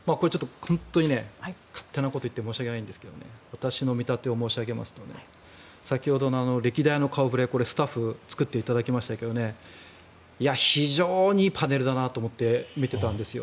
勝手なことを言って申し訳ないんですが私の見立てを申し上げますと先ほどの歴代の顔触れスタッフに作っていただきましたが非常にいいパネルだなと思って見ていたんですよ。